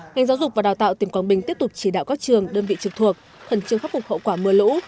ngành giáo dục và đào tạo tỉnh quảng bình tiếp tục chỉ đạo các trường đơn vị trực thuộc khẩn trương khắc phục hậu quả mưa lũ